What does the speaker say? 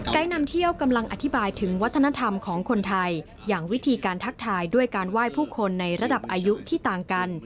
นำเที่ยวกำลังอธิบายถึงวัฒนธรรมของคนไทยอย่างวิธีการทักทายด้วยการไหว้ผู้คนในระดับอายุที่ต่างกัน